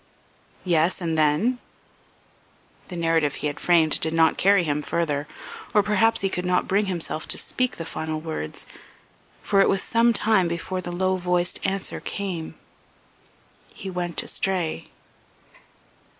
"Yes, and then?" The narrative he had framed did not carry him further, or perhaps he could not bring himself to speak the final words, for it was some time before the low voiced answer came "He went astray